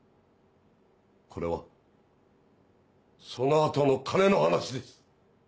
これはその後の金の話です。